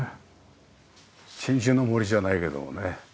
鎮守の森じゃないけどもね